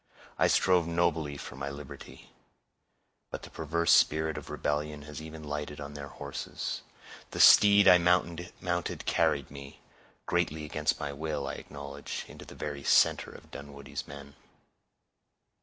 "I strove nobly for my liberty; but the perverse spirit of rebellion has even lighted on their horses. The steed I mounted carried me, greatly against my will, I acknowledge, into the very center of Dunwoodie's men."